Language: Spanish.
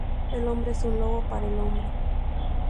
El hombre es un lobo para el hombre